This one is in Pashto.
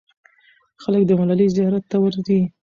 خلک د ملالۍ زیارت ته ورځي.